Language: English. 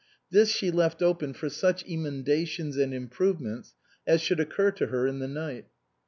This she left open for such emendations and improvements as should occur to her in the night.